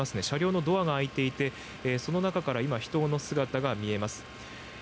車両のドアが開いていてその中から人の姿が見えました。